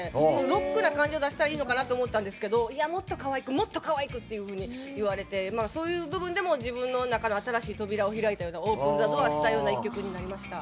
ロックな感じを出したらいいのかなと思ったんですけどいや、もっとかわいく！っていうふうに言われてそういう意味でも自分の中の新しい扉を開いたような「ＯｐｅｎｔｈｅＤｏｏｒ」したような一曲になりました。